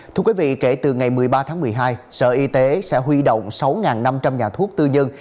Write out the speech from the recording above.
thưa quý vị kể từ ngày một mươi ba tháng một mươi hai sở y tế sẽ huy động sáu năm trăm linh nhà thuốc tư nhân